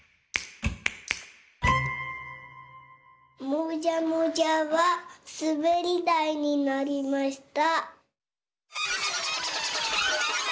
もじゃもじゃはすべりだいになりました。